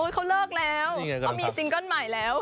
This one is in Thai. เขาเลิกแล้วเขามีซิงเกิ้ลใหม่แล้ว